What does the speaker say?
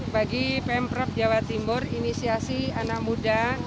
bagi pemprov jawa timur inisiasi anak muda